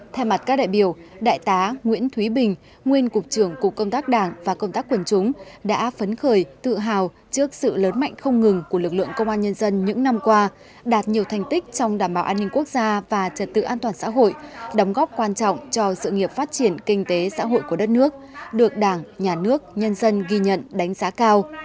theo mặt các đại biểu đại tá nguyễn thúy bình nguyên cục trưởng cục công tác đảng và công tác quần chúng đã phấn khởi tự hào trước sự lớn mạnh không ngừng của lực lượng công an nhân dân những năm qua đạt nhiều thành tích trong đảm bảo an ninh quốc gia và trật tự an toàn xã hội đóng góp quan trọng cho sự nghiệp phát triển kinh tế xã hội của đất nước được đảng nhà nước nhân dân ghi nhận đánh giá cao